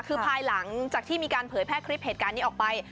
คือภายหลังจากที่มีการเผยแพร่คลิปเหตุการณ์นี้ออกไป